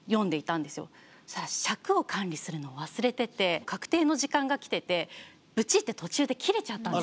そうしたら尺を管理するのを忘れてて確定の時間が来ててブチッて途中で切れちゃったんですよ